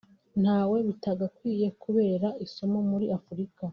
ntawe bitagakwiye kubera isomo muri Afurika